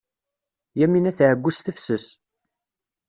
Yamina tɛeyyu s tefses.